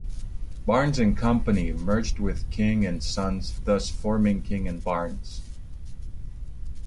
Barnes and Company, merged with King and Sons thus forming King and Barnes.